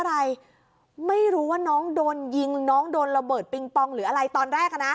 อะไรไม่รู้ว่าน้องโดนยิงน้องโดนระเบิดปิงปองหรืออะไรตอนแรกอ่ะนะ